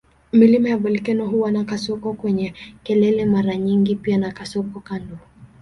Milima ya volkeno huwa na kasoko kwenye kelele mara nyingi pia na kasoko kando.